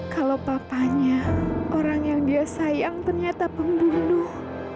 kalau papanya orang yang dia sayang ternyata pembunuh